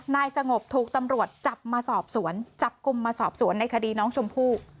นายสงบถูกตำรวจจับมาสอบสวนจับกลุ่มมาสอบสวนในคดีน้องชมพู่